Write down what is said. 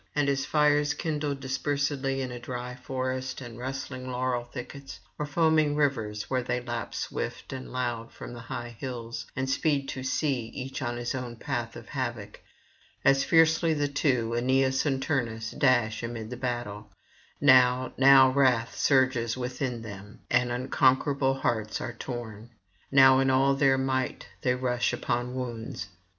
And as fires kindled dispersedly in a dry forest and rustling laurel thickets, or foaming rivers where they leap swift and loud from high hills, and speed to sea each in his own path of havoc; as fiercely the two, Aeneas and Turnus, dash amid the battle; now, now wrath surges within them, and unconquerable hearts are torn; now in all their might they rush upon wounds.